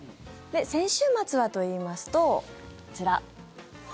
先週末はといいますとこちら。